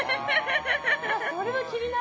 それは気になる。